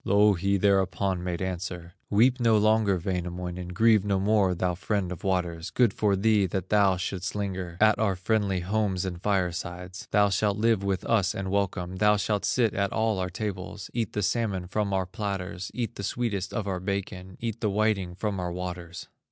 Louhi thereupon made answer: "Weep no longer, Wainamoinen, Grieve no more, thou friend of waters, Good for thee, that thou shouldst linger At our friendly homes and firesides; Thou shalt live with us and welcome, Thou shalt sit at all our tables, Eat the salmon from our platters, Eat the sweetest of our bacon, Eat the whiting from our waters."